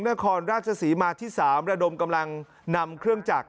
นครราชศรีมาที่๓ระดมกำลังนำเครื่องจักร